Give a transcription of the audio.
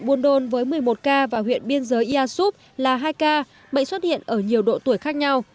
buôn đôn với một mươi một ca và huyện biên giới ia súp là hai ca bệnh xuất hiện ở nhiều độ tuổi khác nhau